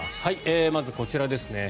まず、こちらですね。